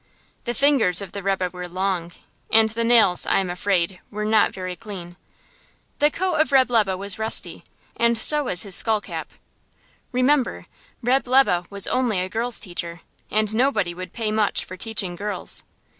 The fingers of the rebbe were long, and the nails, I am afraid, were not very clean. The coat of Reb' Lebe was rusty, and so was his skull cap. Remember, Reb' Lebe was only a girls' teacher, and nobody would pay much for teaching girls.